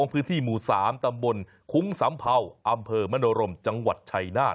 พื้นที่หมู่๓ตำบลคุ้งสำเภาอำเภอมโนรมจังหวัดชัยนาธ